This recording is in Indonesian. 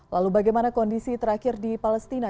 lalu bagaimana kondisi terakhir di palestina